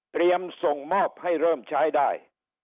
เตรียมส่งมอบให้เริ่มใช้ได้